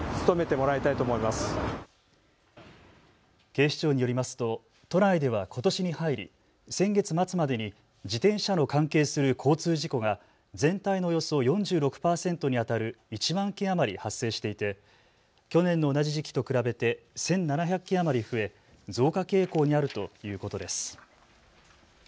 警視庁によりますと都内ではことしに入り、先月末までに自転車の関係する交通事故が全体のおよそ４６％にあたる１万件余り発生していて去年の同じ時期と比べて１７００件余り増え増加傾向にあるということです。